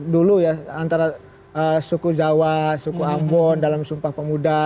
dulu ya antara suku jawa suku ambon dalam sumpah pemuda